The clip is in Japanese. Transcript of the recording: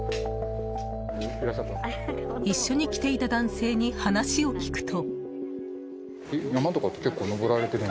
一緒に来ていた男性に話を聞くと。